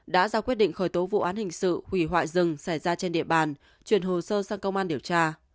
đã ra quyết định khởi tố vụ án hình sự hủy hoại rừng xảy ra trên địa bàn chuyển hồ sơ sang công an điều tra